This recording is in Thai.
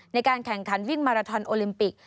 ในการแข่งขันวิ่งมาราทอนโอลิมปิก